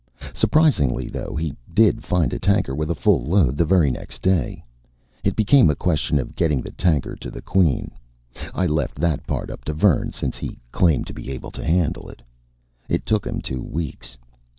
Surprisingly, though, he did find a tanker with a full load, the very next day. It became a question of getting the tanker to the Queen. I left that part up to Vern, since he claimed to be able to handle it. It took him two weeks.